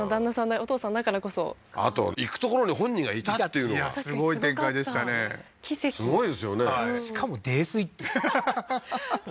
お父さんだからこそあと行く所に本人がいたっていうのがすごい展開でしたねすごいですよねしかも泥酔ってははははっ